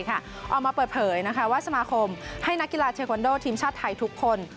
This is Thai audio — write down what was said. ออกมาเปิดเผยว่าสมาคมให้นักกีฬาเทควันโดทีมชาติไทยทุกคน